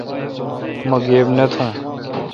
مہ گیب نہ تھون